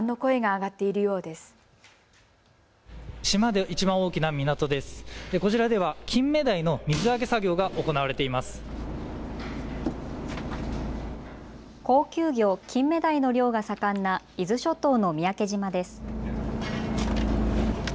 高級魚、キンメダイの漁が盛んな伊豆諸島の三宅島です。